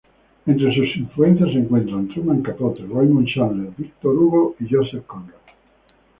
Entre sus influencias se encuentran Truman Capote, Raymond Chandler, Victor Hugo y Joseph Conrad.